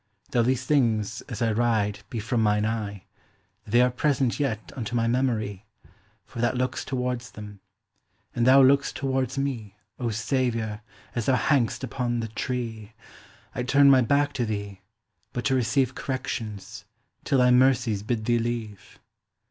Though these things, as I ride, be from mine eye, They'are present yet unto my memory, For that looks towards them; and thou look'st towards mee,O Saviour, as thou hang'st upon the tree;I turne my backe to thee, but to receiveCorrections, till thy mercies bid thee leave.